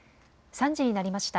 ３時になりました。